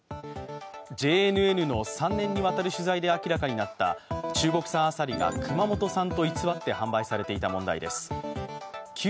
ＪＮＮの３年にわたる取材で明らかになった中国産あさりが熊本産と偽って販売されていた問題です。